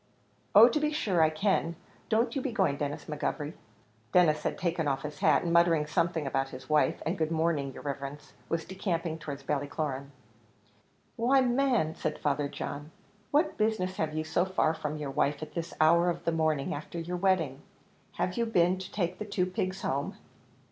"Oh to be sure I can; don't you be going, Denis McGovery." Denis had taken off his hat, and muttering something about his wife, and "good morning, yer riverence," was decamping towards Ballycloran. "Why, man," said Father John, "what business have you so far from your wife at this hour of the morning, after your wedding? Have you been to take the two pigs home?"